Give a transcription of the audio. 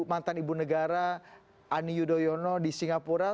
mantan ibu negara ani yudhoyono di singapura